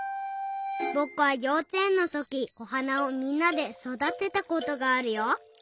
ぼくはようちえんのときおはなをみんなでそだてたことがあるよ。